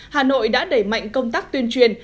hà nội đã đẩy mạnh công tác tuyên truyền